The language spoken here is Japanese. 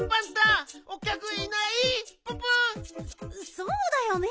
そうだよね。